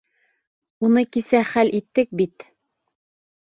Уны кисә хәл иттек бит.